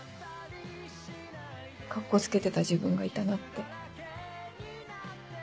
カッコつけてた自分がいたなって。